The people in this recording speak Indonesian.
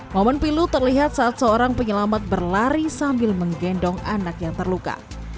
momen pilu terlihat saat seorang penyelamat berlari sambil menggendong anak yang terluka